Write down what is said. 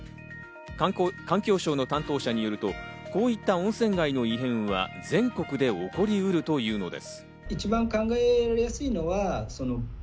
環境省の担当者によると、こういった温泉街の異変は全国で起こりうるというのです。